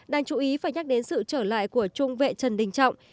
đang chú ý phải nhắc đến sự trở lại của trung vệ trần đình trọng